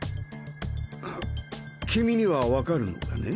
君にはわかるのかね？